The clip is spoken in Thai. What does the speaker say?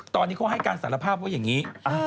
ตอนนี้เขาให้การสารภาพว่าอย่างนี้